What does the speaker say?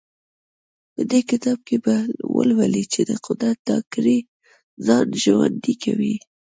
په دې کتاب کې به ولولئ چې د قدرت دا کړۍ ځان ژوندی کوي.